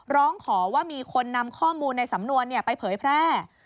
ร้องขอว่ามีคนนำข้อมูลในสำนวนไปเผยแพร่